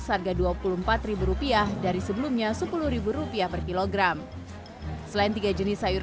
seharga dua puluh empat rupiah dari sebelumnya sepuluh rupiah per kilogram selain tiga jenis sayur